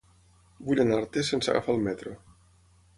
Vull anar a Artés sense agafar el metro.